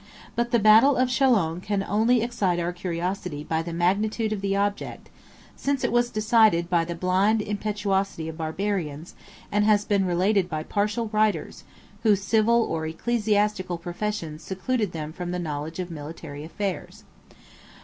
But the battle of Chalons can only excite our curiosity by the magnitude of the object; since it was decided by the blind impetuosity of Barbarians, and has been related by partial writers, whose civil or ecclesiastical profession secluded them from the knowledge of military affairs.